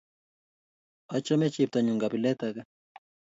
Achgame cheptanyun kabilet ake